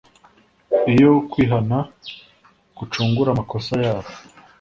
iyo kwihana gucungura amakosa yabo